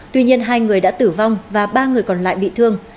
tuy nhiên hai người đã tử vong và ba người còn lại bị thương